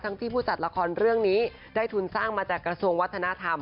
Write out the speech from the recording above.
ที่ผู้จัดละครเรื่องนี้ได้ทุนสร้างมาจากกระทรวงวัฒนธรรม